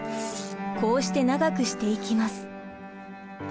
こうして長くしていきます。